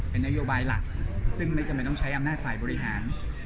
เป็นนโยบายหลักซึ่งไม่จำเป็นต้องใช้อำนาจฝ่ายบริหาร